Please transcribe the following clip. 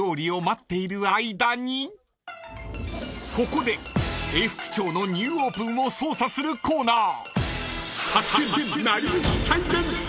［ここで永福町のニューオープンを捜査するコーナー］